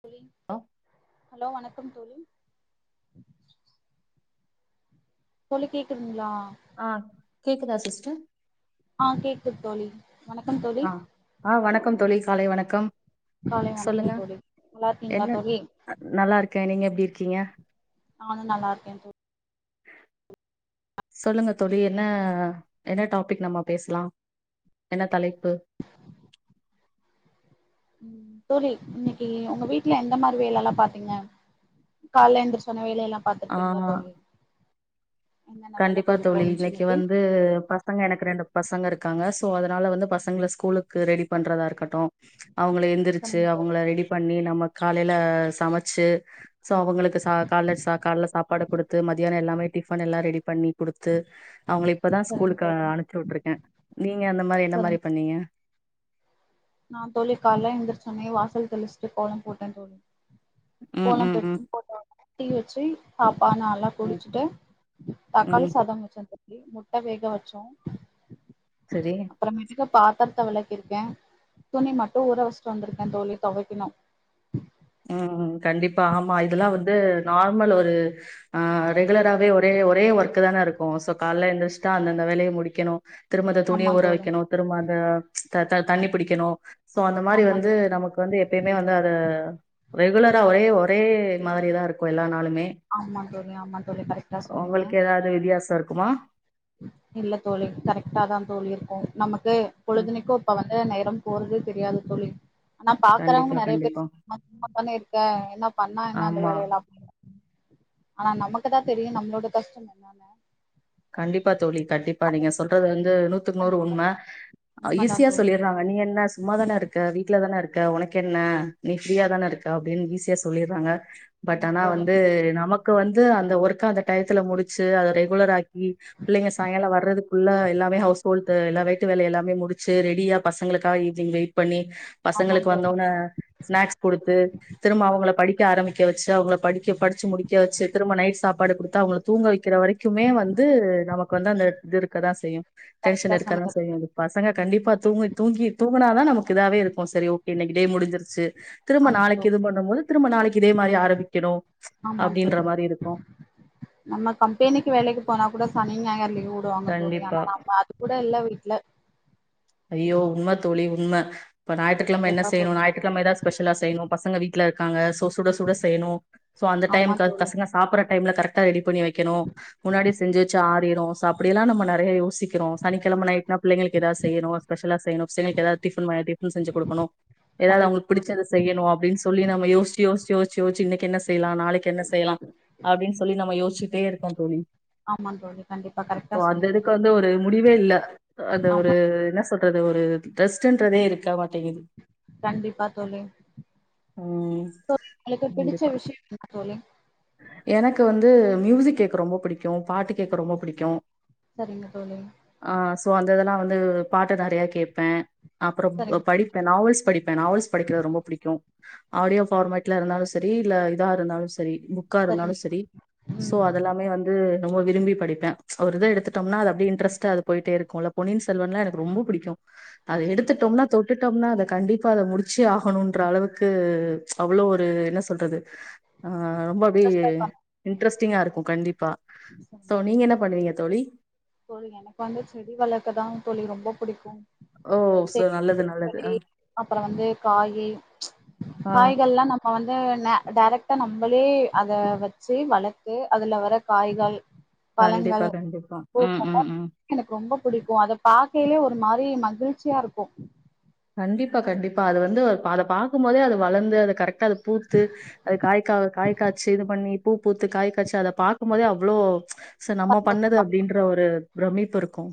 Pulling hello hello வணக்கம் தோழி தோழி கேக்குதுங்களா ஆ கேக்குதா சிஸ்டர் ஆ கேக்குது தோழி வணக்கம் தோழி அ அ வணக்கம் தோழி காலை வணக்கம் காலை வணக்கம் சொல்லுங்க தோழி நல்லா இருக்கீங்களா என்ன தோழி நல்லா இருக்கேன் நீங்க எப்படி இருக்கீங்க நான்னும் நல்லா இருக்கேன்தோ [unintelligible] சொல்லுங்க தோழி என்னா என்ன டாபிக் நம்ம பேசலாம் என்ன தலைப் பு தோழி இன்னைக்கு உங்க வீட்ல எந்த மாதிரி வேலலாம் பாத்தீங்க கால்ல எந்திரிச்சஉடனே வேலைய எல்லாம் ஆ பார்த்திருப்பீங்களா தோழி என்னென்ன வேல கண்டிப்பா தோழி போணுச்சு இன்னைக்கு வந்து பசங்க எனக்கு ரெண்டு பசங்க இருக்காங்க சோ அதனால வந்து பசங்களை ஸ்கூலுக்கு ரெடி பண்றதா இருக்கட்டும் அவங்கள எந்திரிச்சு சரிங்க தோழி அவங்கள ரெடி பண்ணி நம்ம காலையில சமைச்சு சோ அவங்களுக்கு ச கால ச காலல சாப்பாடு கொடுத்து மத்தியானம் எல்லாமே டிஃபன் எல்லாம் ரெடி பண்ணி குடுத்து அவங்கள இப்பதான் சரிங்க ஸ்கூலுக்கு தோழி அனுச்சுவுட்டுருக்கேன் நீங்க அந்த மாதிரி என்தா மாதிரி பண்ணீங்க நான் தோழி கால்ல எந்திரிச்ச உடனே வாசல் தெளிச்சிட்டு கோலம் போட்டேன் தோழி ம் கோலம் ம் ம் போட்டு போட்ட உடனே டீ வச்சு அப் பான நல்லா ம் குடிச்சிட்டு தக்காளி ம் சாதம் வச்சேன் தோழ் முட்ட வேக வச்சோம் சரி அப்புறமேட்டுக்கு பாத் த்திரத்த விளக்கிருக்கேன் துணி மட்டும் ஊற வச்சிட்டு வந்திருக்கேன் தோழி துவைக்கணும் உம் கண்டிப்பா ஆமா இதெல்லாம் வந்து நார்மல் ஒரு அ ரெகுலராவே ஒரே ஒரே ஒர்க்கு தான இருக்கு சோ கால்ல எந்திரிச்சுட்டா அந்தந்த வேலைய முடிக்கணு திரும்ப அந்த ஆமா துணிய ஊற தோழி வைக்கணு திரும்ப அந்த த த தண்ணி பிடிக்கணு சோ அந்த மாதிரி ஆமா வந்து தோழி நமக்கு வந்து எப்பயுமே வந்து அத ரெகுலரா ஒரே ஒரே மாதிரி தா இருக்கு எல்லா நாளும் ஆமா தோழி ஆமா தோழி கரெக்டா சொன்னீங்க உங்களுக்கு ஏதாது வித்தியாசோ இருக்குமா இல்ல தோழி கரெக்ட்டாதா தோழி இருக்கு நமக்கு ம் பொழுதுனைக்கோப்ப வந் அ நேரம் போறது தெரியாது தோழி, ஆனா கண்டிப்பா பாக்குறவங்க நெறைய பேசி கண்டிப்பா மா [inaudible] தானே இருக்கே என்ன பண்ணா என்ன அந்த ஆமா வேலயெல்லா [inaudible] ஆனா நமக்குதா தெரியு நம்மளோட கஷ்டம் என்னன்னு கண்டிப்பா தோழி கண்டிப்பா அந்த நீங்க சொல்றது வந்து நூத்துக்கு நூறு கண்டிப்பா உண்ம தோழி. ஆ உண்மதான் ஈசியா தோழி. சொல்லிறாங்க நீ என்ன சும்மாதானே இருக்க வீட்ல தானே இருக் க்க ஒனக்கு என்ன நீ ஃப்ரீயா ஆமா தானே தோழி. இருக்க அப்டின் ஈஸியா சொல்லிறாங்க பட் ஆமா ஆனா தோழி. வந்து நமக்கு வந்து அந்த ஒர்க்க அந்த டயத்துல முடிச்சு அத ரெகுலர் ஆக் ம் பிள்ளைங்க சாயங்காலோ வர்றதுக்குள்ள எல்லாமே ஹவுஸ் [unintelligible] இப்ப எல்லா விட்டு வேலை எல்லாமே முடிச்சு ரெடியா பசங்களுக்காக ஈவினிங் வெயிட் பண்ணி ஆமா பசங்களுக்கு தோழி. வந்தோன்ன ஸ்நாக்ஸ் குடுத்து திரும்ப அவங்கள படிக் ஆரமிக்க வச்சு அவங்கள படிக்க படிச்சு முடிக்க வச்சு திரும்ப நைட் சாப்பாடு குடுத்து அவங்கள தூங்க வைக்கிற வரைக்குமே வந் து நமக்கு வந்து அந்த இது இருக்கதா செய்யு டென்ஷன் கரெக்டா இருக்கதா சொன்னீங்க செய்யு தோழி. பசங்க கண்டிப்பா தூங்கி தூங்கி தூங் குனாதா நமக்கு இதாவே இருக்கு செரி ஓகே இன்னைக்கு டே முடிஞ்சிருச்சி. திரும்ப ஆமா நாளைக்கு தோழி. இது பண்ணும் போது திரும்ப நாளைக்கு இதே மாரி ஆரம்பிக்கணு ம்ச் ஆமா அப்டின்ற தோழி. மாரி இருக்கு. நம்ம கம்பெனிக்கு வேலைக்கு போனா கூட ஸ் சனி ஞாயிறு லீவு வுடுவாங்க தோழி கண்டிப்பா ஆனா நம்ம அது கூட இல்ல வீட்ல ஐயோ உண்ம தோழி உண்ம இப்ப ஞாயிற்றுக்கெழம என்ன கண்டிப்பா செய்யணு தோழி. ஞாயிற்றுக்கெழம எதா ஸ்பெஷல்லா செய்யணு பசங்க வீட் ட்ல இருக்காங்க சோ சுட சுட செய்ணு சோ அந்த ஆமா டைம்கு தோழி. பசங்க சாப்புற டைம்ல கரெக்டா ரெடி பண்ணி வைக் கேணு முன்னாடி செஞ்சு வச்சா ஆறிரு ச அப்டியெல்லா நம்ம நெறையா யோசிக்கிறோ சனிக்கெழம நைட் நா பிள்ளைங்களுக்கு ஏதாஸ் செய்யணு ஸ்பெஷல்லா செய்யணு பசங்களுக்கு ஏதாது டிஃபன் மாரி டிஃபன் செஞ்சி குடுக்கணு. ஏதாவது கண்டிப்பா அவுங்களுக்கு தோழி. புடிச்சத செய்யணு அப்டின்னு சொல்லி நம்ம யோஸ்ச்சி யோஸ்ச்சி யோஸ்ச் ச்யோச்சி இன்னைக்கு என்ன செய்லா நாளைக்கு என்ன செய்லா அப்டின்னு சொல்லி நம்ம யோஸ்ச்சுட்டே இருக்கோ தோழி ஆமா தோழி. கண்டிப்பா கரெக்டா இப்போ அந்த சொன்னீங்க இதுக்கு தோழி. வந்து ஒரு முடிவே இல்ல அந்த ஒர் ஆமா. அ, என்ன சொல்றது ஒரு ரெஸ்ட்டுன்றதே இருக்காம கண்டிப்பா தோழி ம் உங்ளுக்கு பிடிச்ச கண்டிப்பா விஷியோ என்ன தோழி. எனக்கு வந்து மியூசிக் கேக்க ரொம்ப புடிக்கு பாட்டு கேக்க ரொம்ப புடிக்கு சரிங்க தோழி ஆ சோ அந்த இதெல்லா வந்து பாட்டு நெறையா கேப்பே. அப்றம் ஒ சரிங்க தோழி. படிப்பே நாவல்ஸ் படிப்பே நாவல்ஸ் படிக்கிறது ரொம்ப புடிக்கு ஆடியோ ஃபார்மேட்ல இருந்தாலு செரி இல்ல இதா இருந்தாலு செரி புக்கா இருந்தாலு சரிங்க செரி தோழி. சோ ம். அதெல்லாமே வந்து ரொம்ப விரும்பி படிப்பே ம்ச் ஒரு இத எடுத்துட்டோம்னா அத அப்டியே இன்ட்ரெஸ்ட்டா அது போயிட்டே இருக்குல பொன்னியன் செல்வன்லா எனக்கு ரொம்ப புடிக்கு அத சூப்பர் தோழி. எடுத்துட்டோம்னா தொட்டுட்டோம்னா அத கண்டிப்பா அத முடிச்சே ஆகணுன்ற அளவுக்கு ம்ச் அவ்ளோ ஒரு என்ன சொல்றது ஆ ம் பி ஃபர்ஸ்ட் ஆஃப் ஆல் இன்ட்ரெஸ்டிங்கா இருக்கு கண்டிப்பா சோ நீங்க என்ன பண்ணுவீங்க தோழி [inaudible] தோழி எனக்கு வந்து செடி வளர்க்க தா தோழி ரொம் ரொம்ப புடிக்கு ஓ சோ செடி நல்லது [inaudible] நல்லது ஆ அப்றோ வந்து காயி ம்ச் ஆ காய்கள்லா நம்ம வந்து ந டைரெக்டா நம்பளே அத வச்சு வளர்த்து அதுல வர காய்கள் கண்டிப்பா பழங்கள் கண்டிப்பா ம் ம் பூக் ம் [inaudible] எனக்கு ரொம்ப புடிக்கு அத பாக் கிலே ஒரு மாரி மகிழ்ச்சியா இருக்கு கண்டிப்பா கண்டிப்பா அது வந்து அத பாக்கும்போதே அது வளர்ந்து அத கரெக்டா பூத்து அது காய்க காய் காய்சு இது பண்ணி பூ பூத்து காய் காய்சி அத பாக்கும் போதே அவ்ளோ சோ நம்ம பண்ணது சந்தோஷமா இருக்கு. அப்டின்ற ஒரு பிரமிப்பு இருக்கூ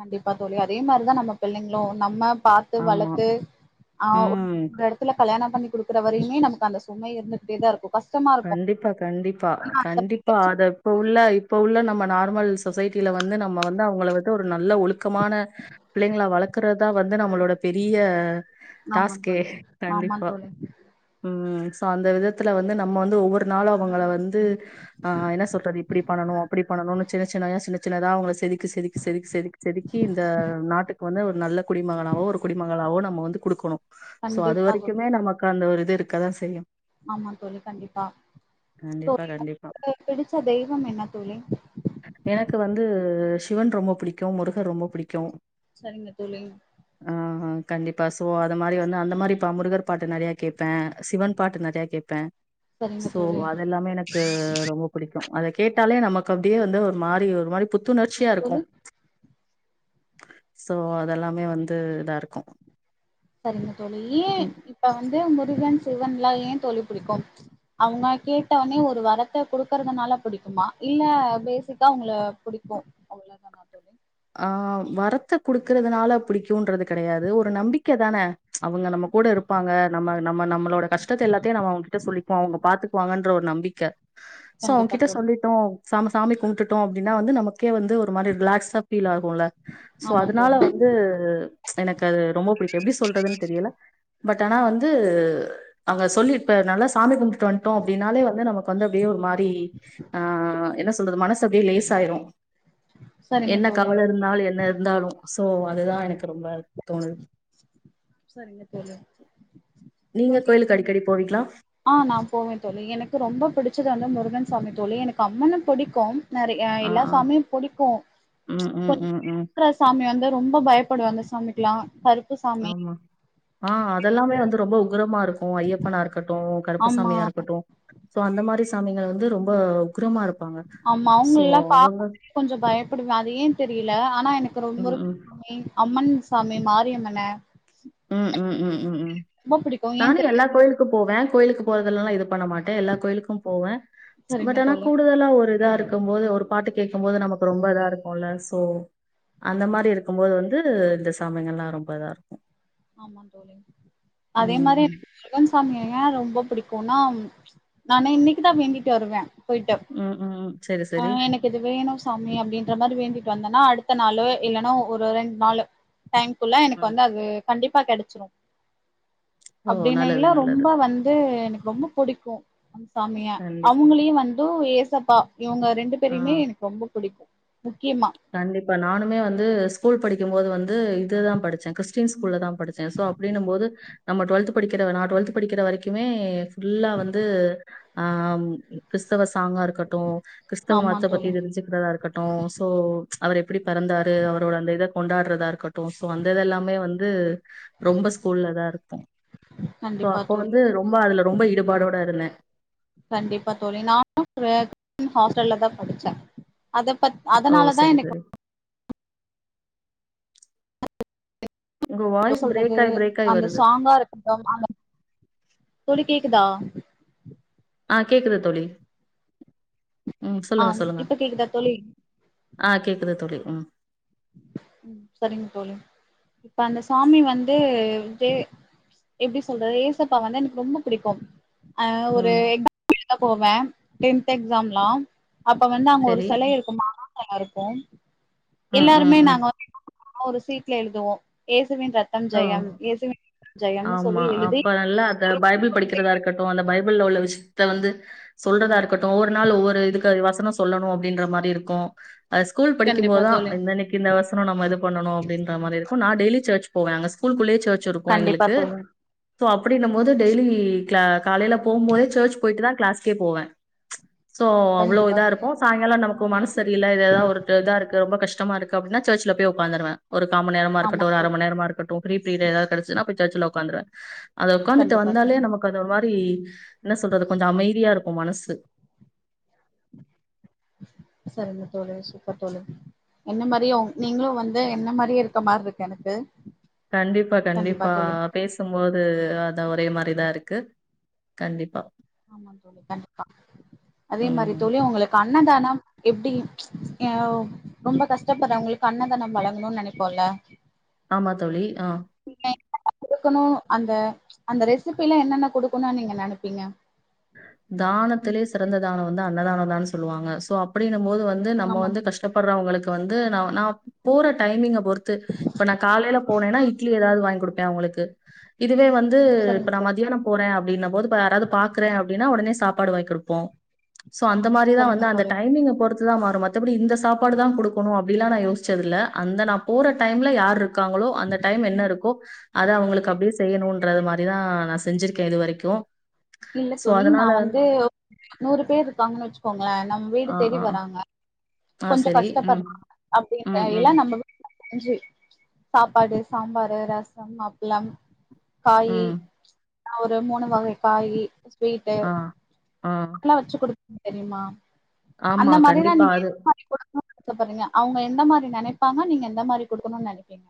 கண்டிப்பா தோழி அதே மாரிதா நம்ம பிள்ளைங்களு நம்ம பாத்து ஆமா வளத்து ஆ ஒரு ம் எடத்துல கல்யாணம் பண்ணி குடுக்குற வரையுமே நமக்கு அந்த சுமை இருந்துகிட்டேதா இருக்கூ கஷ் கண்டிப்பா கண்டிப்பா கண்டிப்பா மகிழ்ச்சி அத இப்ப உள்ள இப்ப உள்ள நம்ம நார்மல் சொசைட்டில வந்து நம்ம வந்து அவுங்கள வந்து ஒரு நல்ல ஒழுக்கமான பிள்ளைங்லா வளக்கறதா வந் வந்து நம்மளோட பெரிய ஆமா டாஸ்க்கே தோழி ஆமா கண்டிப்பா தோழி ம் அந்த விதத்துல வந்து நம்ம வந்து து ஒவ்வொரு நாளு அவுங்கள வந்து அ என்ன சொல்றது இப்டி பண்ணனு அப்டி பண்ணணுனு சின்ன சின்னய சின்ன சின்னதா அவுங்கள செதுக்கு செதுக்கு செதுக் செதுக் செதுக்கி இந்த நாட்டுக்கு வந்து ஒரு நல்ல குடிமகனாவோ ஒரு குடிமகளாவோ நம்ம வந்து குடுக்கணு சோ அது கண்டிப்பா தோழி வரைக்குமே நமக்கு அந்த ஒரு து இருக்கதா செய்யும் ஆமா தோழி கண்டிப்பா கண்டிப்பா, கண்டிப்பா. [unintelligible] பிடிச்ச தெய்வம் என்ன தோழி கு சிவன் ரொம்ப புடிக்கு முருகர் ரொம்ப புடிக்கு சரிங்க தோழி ஆ கண்டிப்பா சோ அத மாரி வந்து அந்த மாரிப்பா முருகர் பாட்டு நறைய கேப்பே சிவன் பாட்டு நறயா கேப்பே சரிங்க சோ தோழி அதெல்லாமே எனக்கு ரொம்ப புடிக்கு அத கேட்டாலே நமக் கு அப்டியே வந்து ஒரு மாரி ஒரு மாரி என்ன புத்துணர்ச்சியாருக்கூ தோழி சோ அதெல்லாமே வந்து இதாருக்கூ சரிங்க தோழி ஏ இப்ப வந்து முருகன் சிவன்லா ஏந் தோழி புடிக்கும் அவுங்க கேட்டவனே ஒரு வரத்த குடுக்கறதுனால புடிக்குமா இல்ல பேசிக்கா அவுங்ல புடிக்குமா கு அவ்ளோ தானா தோழி ஆ வரத்த குடுக்கறதுனால பிடிக்குன்றது கடையாது ஒரு நம்பிக்க தான அவுங்க நமக் கூட இருப்பாங்க நம்ம நம்ம நம்மளோட கஷ்டத்தெல்லாத்தையு நம்ம அவுங்க கிட்ட சொல்லி டோ அவுங்க பாத்துக்குவாங்கன்ற ஒரு நம்பிக்க சோ கண்டிப்பா அவுங்கிட்ட தோழி சொல்லிட்டோ சாம் சாமி கும்டுட்டோ அப்டின்னா வந்து நமக்கே வந்து ஒரு மாரி ரிலாக்ஸா ஃபீல் ஆகுல சோ ஆமா அதுனால தோழி வந்து எனக்கது ரொம்ப ப்டி எப்டி சொல்றதுன் தெரியல பட் ஆனா வந்து அங்க சொல்லி இப்ப நல்லா சாமி கும் டுட் வன்ட்டோ அப்டினாலே வந்து நமக்கு வந்து அப்படியே ஒரு மாரி ஆ என்ன சொல்றது மனசு அப்டியே லேஸாயிரு சரிங்க என்ன தோழி கவலருந்தாலு என்னருந்தாலு சோ அதுதான் எனக் ரொம்ப தோணுது சரிங்க தோழி நீங்க தோழி கோயிலுக்கு அடிக்கடி போவீங்லா ஆ நா போவே தோழி எனக்கு ரொம்ப புடிச்சது வந்து முருகன்சாமி தோழி எனக்கு அம்மனு புடிக்கும் நறைய ஆ எல்லா ஆ சாமியு புடிக்கூ ம் ம் ம் ம் கொஞ்இருக்ற சாமி வந்து ரொம்ப பயப் புடுவ அந்த சாமிக்லா கருப்பு சாமி ஆமா ஆ அதெல்லாமே வந்து ரொம்ப உக்ரமாருக்கூ ஐயப்பனாருக் ருக்கட்டு கருப்பு ஆமா சாமியாருக்கட்டு ஸோ அந்த மாரி சாமிங்க வந்து ரொம்ப உக்ரமாருப் பாங்க ஆமா சோ அவங்களல்லா அவங்க பாக்கும்போதே கொஞ்ச பயப்புடுவ அது ஏன் தெரியில ஆனா எனக்கு ரொம்ப ம் முருகன் சாமி அம்மன் சா சாமி மாரியம்மன ம் ம் ம் ம் ம் ரொம்ப பிடிக்கு ஏ நானு தெரி எல்லாக்கோயிலுக்கு ப்போ போவ கோய்லுக்கு போறதுலல்லா இது பண்ண மாட்டே எல்லாக்கோய்லுக்கூ போவ பட் சரிங்க ஆனா தோழி கூடுதலா ஒரு இதா இருக்கும்போது ஒரு பாட்டு கேக்கும்போது நமக்கு ரொம்ப இதா இருக்கூ ல சோ அந்த ஆமா மாரி தோ இருக்கும்போது வந் து இந்த சாமிங்கலா ரொம்ப இதார்க்கூ ஆமா தோழி அதே மாரி ம் எனக்கு முருகன்சாமிய ஏன் ரொம்ப புடிக் குனா நானு இன்னக்கி தா வேண்டிட்டு வருவே போய்ட்டு ம் ம் ம் சரி சரி ஆஹ் எனக்கு இது வேணு சாமி அப்டின்ற மாரி வேண்டி வந்தன்னா அடுத்த நாளே இல்லன்னா ஒரு ரெண் நாலு டைம்குள்ள எனக்கு ம் வந்து அது கண்டிப்பா கெடச்சுரும் ஓ நல்லது அப்டினில்ல ரொம்ப நல்லது வந்து ரொம்ப பிடிக்கும் சாமிய கண்டிப்பா அவுங்களையும் வந்து ஏசப்பா இவங்க ரெண்டு ஆ பேரயுமே எனக்கு ரொம்ப புடிக்கு முக்கியமா கண்டிப்பா நானுமே வந்து ஸ்கூல் படிக் குபோது வந்து இதுதான் படிச்சே கிறிஸ்டின் ஃஸ்கூல தான் படிச்சே ஸோ அப்டின்னு போது நம்ம டுவெ்த் படிக்கிறத நா டுவெல்த்படிக்கிற வரக்குமே ஃபுல்லா வந்து ஆம் கிறிஸ்தவ ஸ் பாங்காருக்கட்டு கிறிஸ்தவ ஆமா மதத்த பத்தி தோழி தெரிஞ்சுக்றதாருக்கட்டு அவர் எப்டி பெறந்தாரு அவரோட அந்த இத கொண்டாடுறதாருக்கட்டு சோ அந்ததெல்லாமே வந்து ரொம்ப ஸ்கூல்ல தாருக்கு சோ கண்டிப்பா அப்ப தோழி வந்து ரொம்ப அதுல ரொம்ப ஈடுப் பாடோடருந்தே கண்டிப்பா தோழி நானும் [unintelligible] ஹாஸ்டல்ல தான் படிச்சே அத பத் ஓ! அதனாலதான் சரி, எனக்கு சரி. உங்க [inaudible] வாய்ஸ் சொல்றது பிரேக் ஆயி, பிரேக் ஆயி அந்த வருது. சாங்கா இருக்கட்டும் அந்த தோழி கேக்குதா ஆஹ் கேக்குது தோழி உம் ஆ சொல்லுங்க சொல்லுங்க இப்ப கேக்குதா தோழி ஆஹ் கேக்குது தோழி உம் ம் சரிங்க தோழி இப்ப அந்த சாமி வந்து எப்படி சொல்றது ஏசப்பா வந்து எனக்கு ரொம்ப பிடிக்கும் அஹ் ஒரு ம். எக்ஸாம்லா எழுத போவே டென்த் எக்ஸாம்லாம் அப்ப வந்து அங்க ஒரு சரி. சிலை இருக்கும் மாதா செல இருக்கும் ம், எல்லாருமே ம், ம். நாங்க ஆ ஒரு சீட்ல எழுதுவோம் ஏசி ஹ ஜெயம்னு சொல்லி ஆமா எழுதி அப்பல்லா அத ஒரு பைபிள் படிக்கிறதா இருக்கட்டும் அந்த பைபிள் உள்ள விஷயத்த வந்து சொல்றதா இருக்கட்டும் ஒவ்வொரு நாள் ஒவ்வொரு இதுக்கு வசனம் சொல்லணும் அப்படின்ற மாரி இருக்கும் அஹ் ஸ்கூல் படிக்கும் கண்டிப்பா போதான் தோழி இந்த இன்னைக்கு இந்த வசனம் நம்ம இது பண்ணும்ப்படின்ற மாரி இருக்கும் நான் டெயலி சர்ச் போவே அங்க ஸ்கூலக்குள்ளயே சர்ச் இருக்கும் கண்டிப்பா எங்களுக்கு தோழி ஷோ அப்படின்னும் போது டெய்லி கிளா காலையில போம் போதே சர்ச் போயிட்டு தான் கிளாஸ்கே போவேன் சோ அவ்ளவு கண்டிப்பா இத தோழி இருக்கும் சாயங்காலம் நமக்கு ப்போ மனச சரியில்ல ஏதாவ ஒரு இதா இருக்கு ரொம்ப கஷ்டமா இருக்கு அப்படின்னா சர்ச்ல போய் உக்காந்துருவே ஒரு காமணிேரமா ஆமா இருக்கட்டும் ஒரு அரை தோழி மண நேரமா இருக்கும் ஃப்ரீப்ரீட் ஏதாது கிடச்சான்னா சர்ச்சல உக்காந்துருவேன் அத உக்காந்துட்டு கண்டிப்பா வந்தாலே தோழி நமக்கு அது மாரி என்ன சொல்றது கொஞ்சம் அமைதியா இருக் கு மனசு சரிங்த தோழி சூப்பர் தோழி என்ன மாரியும் நீங்களும் வந்து என்ன மாரியே இருக்க மாரி இருக்கு எனக்கு கண்டிப்பா கண்டிப்பா பேசும்போது அது அ ஒரே மாரிதான் இருக்கு கண்டிப்பா ஆமா தோழி கண்டிப்பா அதே மாரி ம் தோழி உங்களை காண் அன்னதானம் எப்படி ஹேவு ரொம்ப கஷ்டப்படுறவங்களுக்கு அன்னதானம் வழங்கணும்னு நினைப்போம்ல ஆமா தோழி ஆ கொடுக்கணும் அந்த அந்த ரெசிபிலாம் என்னென்ன கொடுக்கணும் நீங்க நெனைப்பீங்க தானத்திலேயே சிறந்த தானம் வந்து அன்னதானம் தான்னு சொல்லுவாங்க சோ அப்படியே ன்னும்போது வந்து நம்ம ஆமா வந்து கஷ்டப்படுறவங்களுக்கு வந்து நா நா போற டைமிங் பொறுத்து இப்ப நான் காலையில போனேன்னா இட்லி ஏதாவது வாங்கி கொடுப்பேன் அவங்களுக்கு இதுவே வந்து சரிங்க இப்ப நான் தோழி மத்தியானம் போறேன் அப்டின்னும் போது யாராவது பாக் ரன் அப்டின்னா உடனே சாப்பாடு வாங்க கொடுப்போம் ஷோ அந்த மாரிதான் சரிங்க வந்து அந்த தோழி டைமிங்க பொறுத் துதான் மாறும் மத்தபடி இந்த சாப்பாடு தான் கொடுக்கணும் அப்படில்லான் நா யோஸ்ச்சதில்ல அந்த நான் போற டைம்ல யார்ருக்கு காங்களோ அந்த டைம் என்ன இருக்கோ அத அவங்களுக்கு அப்படியே செய்யணும்ன்றது மாதிரிதான் நான் செஞ்சிருக்கேன் இது வரைக்கும் இல்ல தோழி நான் வந்து நூறு பேர் இருக்காங்கன்னு வச்சுக்கோங்களேன் நம்ம வீடு ஆ, தேடி ஆ. வறராங்க ஆ கொஞ்சம் சரி. ம். கஷ்டப்படுறாங்க அப்படிங்க ம், ம், எல்லாம் நம்ம செஞ்சு சாப்பாடு சாம்பாரு ரசம் அப்பளம் காயி ம். ஒரு மூணு வகை காயீ ஸ்வீட்டு ஆ, ஆ. நல்லா வச்சு குடுக்கு தெரியுமா ஆமா, அந்த மாரின கண்டிப்பா. அது [unintelligible] பாறீங்க அவங்க எந்த மாரி நினைப்பாங்க நீங்க எந்த மாரி குடுக்கணும்னு நினைப்பீங்க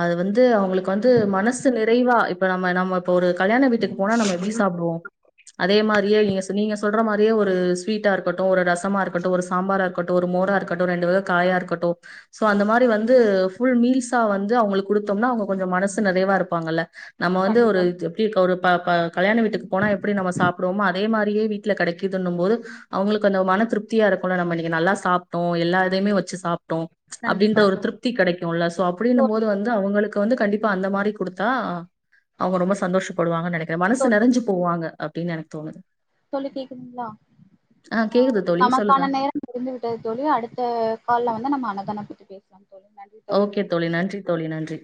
அது வந்து அவங்களுக்கு வந்து மனசு நிறைவா இப்ப நம்ம நம்ம இப்ப ஒரு கல்யாண வீட்டுக்கு போனா நம்ம எப்படி சாப்படுவோ அதே மாரியே நீங்க நீங்க சொல்ற மாரியே ஒரு ஸ்வீட்டாக இருக்கட்டு ஒரு ரசமா இருக்கட்டு ஒரு சாம்பாராக இருக்கட்டு ஒரு மோரா இருக்கட்டு ரெண்டு வக காயா இருக்கட்டு சோ அந்த மாரி வந்து ஃபுல் மீல்ஸா வந்து அவங்களுக்கு குடுத்தோம்னா அவங்க கொஞ்சம் மனசு நிறையவா இருப்பாங்கல்ல நம்ம வந்து ஒரு கண்டிப்பா எப்படி இருக்க ஒரு கல்யாண வீட்டுக்கு போனா எப்படி நம்ம சாப்படுவோமோ அதே மாரியே வீட்டுல கிடைக்குதுன்னும் போது அவங்களுக்கு அந்த மன திருப்திய இருக்கும் ல நம்ம இன்னைக்கு நல்லா சாப்ட்டோம் எல்லா இதையும் வச்சு சாப் டோம் அப்படின்ற கண்டிப்பா ஒரு தோழி திருப்தி கிடைக்குல்ல சோ அப்படின்னு தோழி போது வந்து அவங்களுக்கு வந்து கண்டிப்பா அந்த மாரி கொடுத்தா அவங்க ரொம்ப சந்தோஷப்படுவாங்கன்னு நினைக்கிறே மனசு தோழி நிறஞ்சு போவாங்க அப்படின்னு எனக்கு தோணுது தோழி கேக்குதுங்களா ஆ கேக்குது தோழி. சொல்லுங்க. நமக்கான நேரம் முடிந்து விட்டது தோழி அடுத்த கால்ல வந்து நம்ம அன்னதானப்பத்தி பேசு ஓகே தோழி நன்றி தோழி நன்றி